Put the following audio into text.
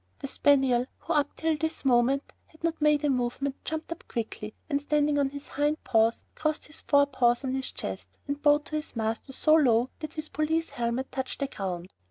The spaniel, who up till this moment had not made a movement, jumped up quickly, and standing on his hind paws, crossed his fore paws on his chest and bowed to his master so low that his police helmet touched the ground.